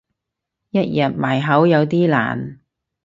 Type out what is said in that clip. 一日埋口有啲難